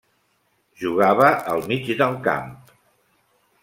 Jugava al mig del camp.